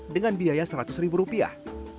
dengan biaya seratus rupiah